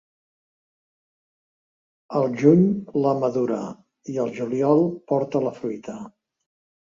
El juny la madura i el juliol porta la fruita.